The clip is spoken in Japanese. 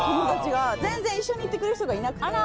全然一緒に行ってくれる人がいなくて。